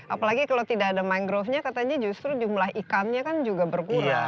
apalagi kalau tidak ada mangrovenya katanya justru jumlah ikannya kan juga berkurang